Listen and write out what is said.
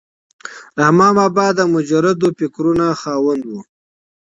رحمان بابا د مجردو فکرونو خاوند و.